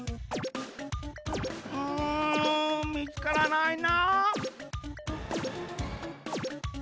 うんみつからないな。